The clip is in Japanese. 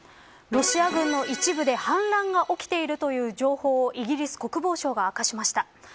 ロシア軍の一部で反乱が起きているという情報をイギリス国防省が明かしました。